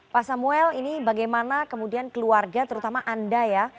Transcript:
pak samuel ini bagaimana kemudian keluarga terutama anda ya